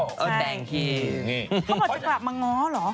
เขาบอกจะกลับมาง้อหรอ